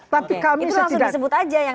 tapi kami setidaknya